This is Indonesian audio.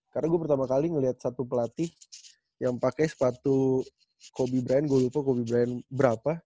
karena gue pertama kali ngeliat satu pelatih yang pake sepatu kobe bryant gue lupa kobe bryant berapa